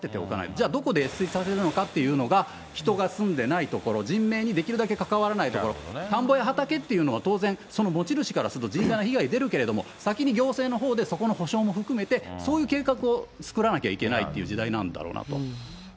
じゃあどこで越水させるのかっていうのが、人が住んでない所、人命にできるだけ関わらない所、田んぼや畑っていうのは、当然、その持ち主からすると甚大な被害出るけど、行政のほうでそれを含めて、そういう計画をつくらなきゃいけないっていう時代なんだろうなと。